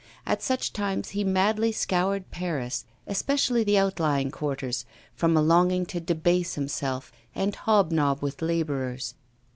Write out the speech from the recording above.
At such times he madly scoured Paris, especially the outlying quarters, from a longing to debase himself and hob nob with labourers.